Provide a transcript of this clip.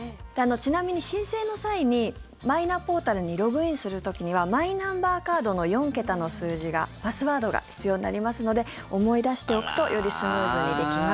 ちなみに申請の際にマイナポータルにログインする時にはマイナンバーカードの４桁の数字がパスワードが必要になりますので思い出しておくとよりスムーズにできます。